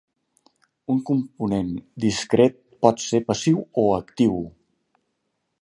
Un component discret pot ser passiu o actiu.